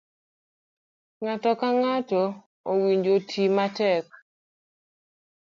ng'ato ka ng'ato owinjo oti matek.